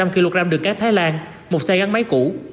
năm trăm linh kg đường cát thái lan một xe gắn máy cũ